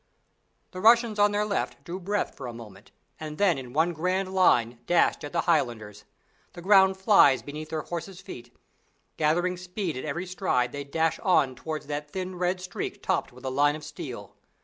The Russians on their left drew breath for a moment and then in one grand line dashed at the Highlanders. The ground flies beneath their horses' feet. Gathering speed at every stride they dash on towards that thin red streak topped with a line of steel.